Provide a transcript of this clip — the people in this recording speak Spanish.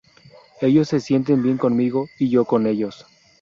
Ellos se entienden bien conmigo y yo con ellos.